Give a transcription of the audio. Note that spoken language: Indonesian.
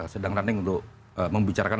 sedang running untuk membicarakan